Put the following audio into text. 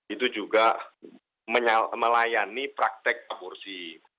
itu juga melayani praktek aborsi